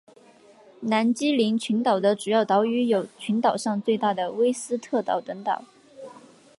南基林群岛的主要岛屿有群岛上最大的威斯特岛等岛。